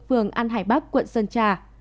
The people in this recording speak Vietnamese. phường an hải bắc quận sơn trà